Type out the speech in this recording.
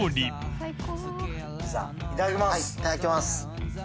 はいいただきます。